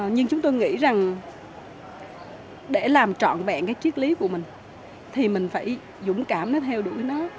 nhưng chúng tôi nghĩ rằng để làm trọn vẹn cái triết lý của mình thì mình phải dũng cảm nó theo đuổi nó